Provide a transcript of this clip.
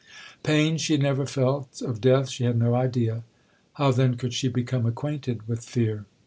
Pain she had never felt—of death she had no idea—how, then, could she become acquainted with fear?